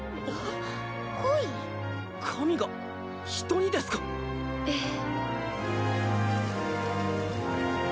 神が人にですか⁉ええ。